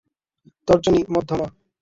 তর্জনি, মধ্যমা।